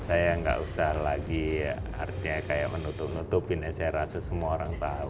saya gak usah lagi artinya kayak menutup nutupin esera sesemua orang